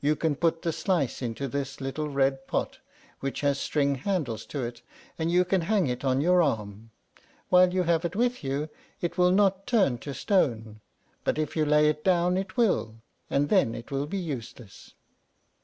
You can put the slice into this little red pot, which has string handles to it, and you can hang it on your arm. While you have it with you it will not turn to stone, but if you lay it down it will, and then it will be useless."